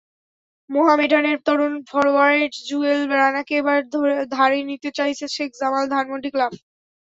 মোহামেডানের তরুণ ফরোয়ার্ড জুয়েল রানাকে এবার ধারে নিতে চাইছে শেখ জামাল ধানমন্ডি ক্লাব।